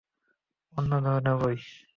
অন্য ধরনের বই।